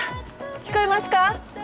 聞こえますか？